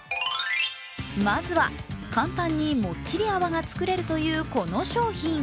まずは、簡単にもっちり泡がつくれるというこの商品。